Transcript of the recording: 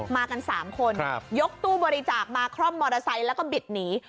มากัน๓คนยกตู้บริจาคมาคร่อมมอเตอร์ไซค์แล้วก็บิดหนี